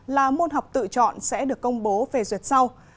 là môn học tự chọn sẽ được công bố phê duyệt sau